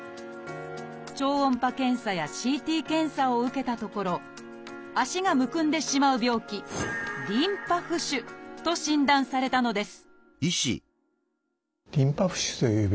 超音波検査やＣＴ検査を受けたところ足がむくんでしまう病気「リンパ浮腫」と診断されたのです